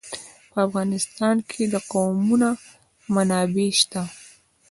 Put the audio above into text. په افغانستان کې د قومونه منابع شته.